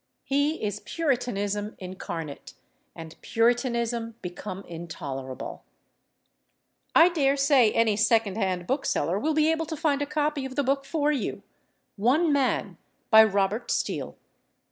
He is Puritanism incarnate, and Puritanism become intolerable.... I daresay any second hand bookseller will be able to find a copy of the book for you: "One Man," by Robert Steele.